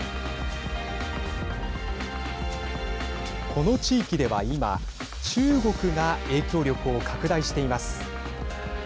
この地域では今中国が影響力を拡大しています。